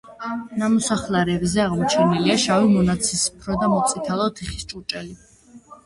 ნამოსახლარებზე აღმოჩენილია შავი, მონაცისფრო და მოწითალო თიხის ჭურჭელი.